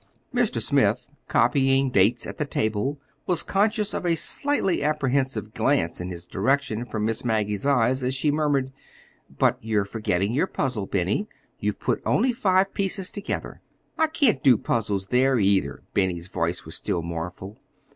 Mr. Smith, copying dates at the table, was conscious of a slightly apprehensive glance in his direction from Miss Maggie's eyes, as she murmured:— "But you're forgetting your puzzle, Benny. You've put only five pieces together." "I can't do puzzles there, either." Benny's voice was still mournful.